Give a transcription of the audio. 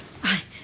はい。